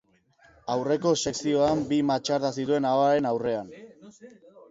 Aurreko sekzioan bi matxarda zituen ahoaren aurrean.